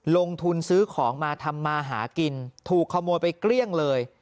ลงทุนซื้อของมาทำมาหากินถูกขโมยไปเกลี้ยงเลย